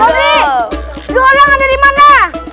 sobri lu orangnya dari mana